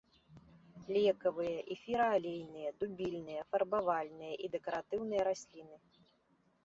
Лекавыя, эфіраалейныя, дубільныя, фарбавальныя і дэкаратыўныя расліны.